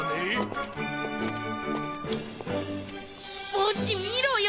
ボッジ見ろよ！